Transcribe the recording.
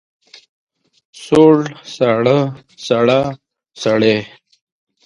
سوړ، ساړه، سړه، سړې.